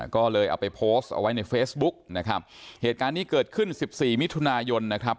ก็เลยเอาไปโพสต์เอาไว้ในเฟซบุ๊กนะครับเหตุการณ์นี้เกิดขึ้นสิบสี่มิถุนายนนะครับ